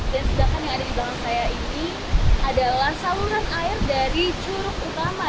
dan sedangkan yang ada di belakang saya ini adalah saluran air dari curug utama